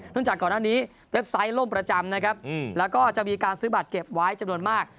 จากก่อนหน้านี้เว็บไซต์ล่มประจำนะครับแล้วก็จะมีการซื้อบัตรเก็บไว้จำนวนมาก